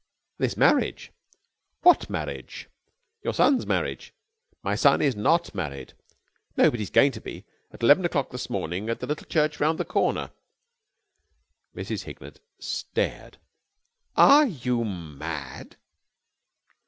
"This marriage." "What marriage?" "Your son's marriage." "My son is not married." "No, but he's going to be. At eleven o'clock this morning at the Little Church Round the Corner!" Mrs. Hignett stared. "Are you mad?"